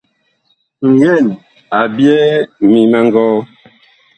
Ngɛn, a ɓyɛɛ ŋmim a ngɔɔ.